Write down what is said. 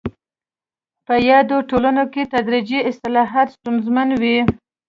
په یادو ټولنو کې تدریجي اصلاحات ستونزمن وو.